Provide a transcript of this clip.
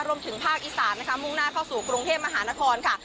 รวมถึงภาคอีสานนะคะมุ่งหน้าเข้าสู่กรุงเทพมหานครค่ะ